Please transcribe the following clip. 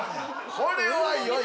これはよい！